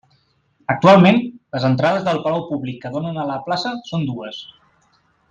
Actualment, les entrades del Palau Públic que donen a la plaça són dues.